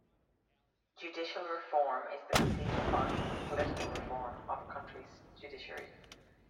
Judicial reform is the complete or partial political reform of a country's judiciary.